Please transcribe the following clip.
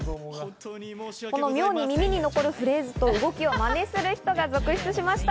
妙に耳に残るフレーズと動きをまねする人が続出しました。